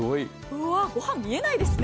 ご飯見えないですね。